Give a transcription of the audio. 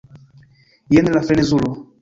jen la frenezulo!